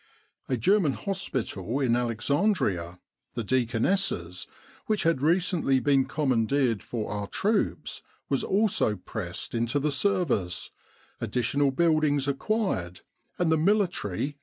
A Ger man hospital in Alexandria the Deaconess's which had recently been commandeered for our troops, was also pressed into the service, additional buildings acquired, and the military No.